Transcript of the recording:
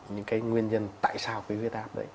những cái nguyên nhân tại sao cái huyết áp đấy